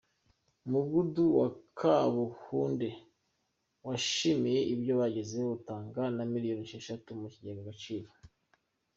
Umudugudu wa Kabuhunde wishimiye ibyo wagezeho utanga na miliyoni Esheshatu mu kigega Agaciro